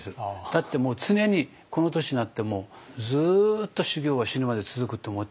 だってもう常にこの年になってもずっと修業は死ぬまで続くって思ってるから。